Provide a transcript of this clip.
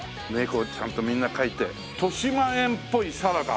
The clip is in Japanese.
ちゃんとみんな書いて。としまえんっぽいサラダ？